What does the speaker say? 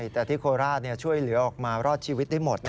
แต่ที่โคราชช่วยเหลือออกมารอดชีวิตได้หมด